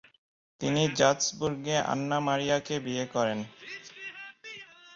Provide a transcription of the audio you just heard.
তিনি জাৎস্বুর্গে আন্না মারিয়াকে বিয়ে করেন।